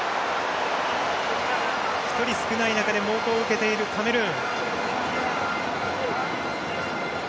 １人少ない中で猛攻を受けているカメルーン。